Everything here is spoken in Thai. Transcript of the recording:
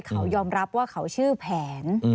เขายอมรับว่าเขาชื่อแผน